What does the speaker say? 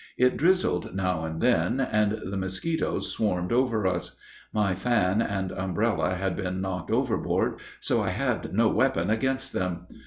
It drizzled now and then, and the mosquitos swarmed over us. My fan and umbrella had been knocked overboard, so I had no weapon against them.